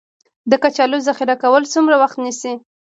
د کچالو ذخیره کول څومره وخت نیسي؟